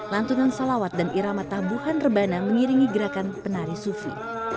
lantunan salawat dan irama tabuhan rebana mengiringi gerakan penari sufi